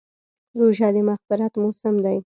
روژه د مغفرت موسم دی.